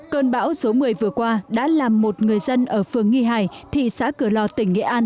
cơn bão số một mươi vừa qua đã làm một người dân ở phường nghi hải thị xã cửa lò tỉnh nghệ an